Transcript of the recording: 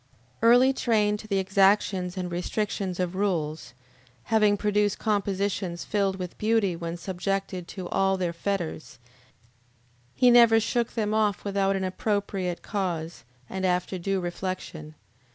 Early trained to the exactions and restrictions of rules, having produced compositions filled with beauty when subjected to all their fetters, he never shook them off without an appropriate cause and after due reflection.